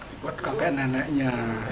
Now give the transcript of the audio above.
ikut kakek dan neneknya